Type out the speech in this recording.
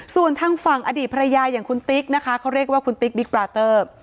ส่วนทางฝั่งอดีตภรรยาอย่างคุณติ๊กนะคะเขาเรียกว่าคุณติ๊กบิ๊กปราเตอร์